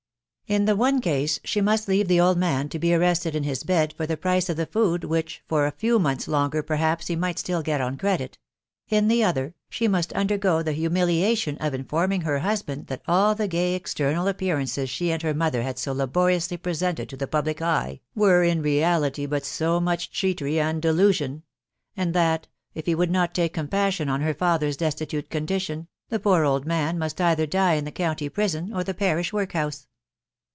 In the one case she must leave the old man to be arrested in his bed for the price of the food which for a few months longer perhaps he might still get on credit .••. in the other, she must undergo the humiliation of informing her husband that all the gay external appearances she and her mother had so laboriously presented to the public eye, were in reality but to much cheatery and delusion ; and that, if he would not take compassion on her father's destitute condition, the poor old man must either die in the county prison or the parish work * house.